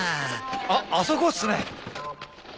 あっあそこっすね！